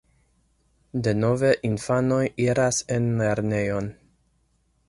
Denove infanoj iras en lernejon.